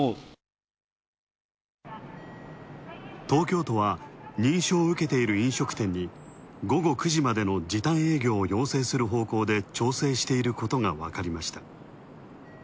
東京都は、認証を受けている飲食店に午後９時までの時短営業を要請する方向で調整していることがわかりました。